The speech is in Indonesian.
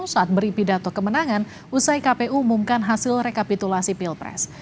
saat beri pidato kemenangan usai kpu umumkan hasil rekapitulasi pilpres